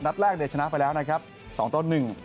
นัดแรกจะชนะไปแล้วนะครับ๒ต้น๑